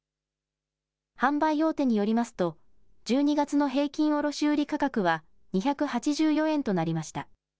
販売大手によりますと１２月の平均卸売価格は２８４円となりました。